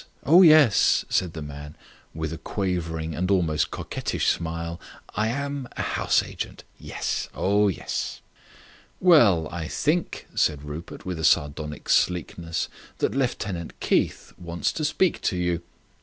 oh, yes," said the man, with a quavering and almost coquettish smile. "I am a house agent... oh, yes." "Well, I think," said Rupert, with a sardonic sleekness, "that Lieutenant Keith wants to speak to you.